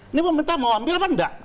ini pemerintah mau ambil apa enggak